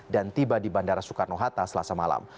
dan tiba di bandara soekarno hatta selasa malam